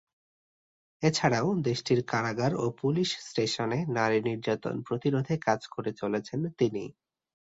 এছাড়াও, দেশটির কারাগার ও পুলিশ স্টেশনে নারী নির্যাতন প্রতিরোধে কাজ করে চলেছেন তিনি।